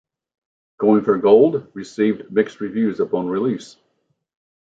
"Going For Gold" received mixed reviews upon release.